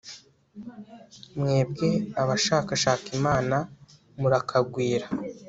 mwebwe abashakashaka imana, murakagwira